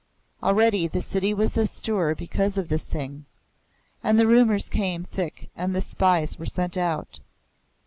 Already the city was astir because of this thing, and the rumours came thick and the spies were sent out.